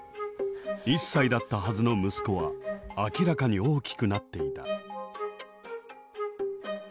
１歳だったはずの息子は明らかに大きくなっていた。